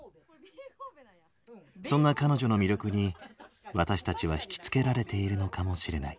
そんな彼女の魅力に私たちは惹きつけられているのかもしれない。